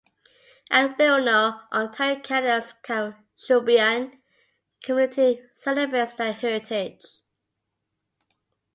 At Wilno, Ontario Canada's Kashubian community celebrates their heritage.